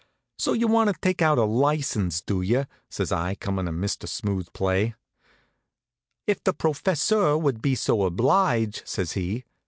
"So you want to take out a license, do you?" says I, comin' a Mr. Smooth play. "If the professeur would be so oblige," says he.